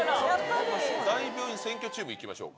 大病院占拠チームいきましょうか。